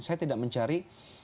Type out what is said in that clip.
saya tidak mencari